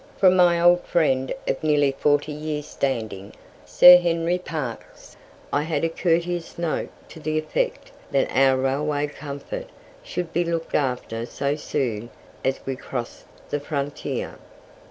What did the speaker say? From my old friend of nearly forty years standing, Sir Henry Parkes, I had a courteous note to the effect that our railway comfort should be looked after so soon as we crossed the frontier.